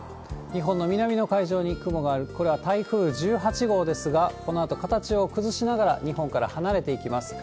日本の南の海上に雲がある、これは台風１８号ですが、このあと形を崩しながら、日本から離れていきます。